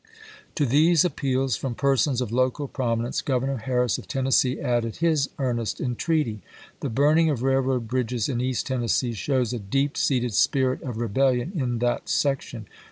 To these appeals from persons of local promi nence, Grovernor Harris of Tennessee added his earnest entreaty. " The burning of railroad bridges Harris to i^ East Teunessce shows a deep seated spiiit of re ^mvf°° bellion in that section.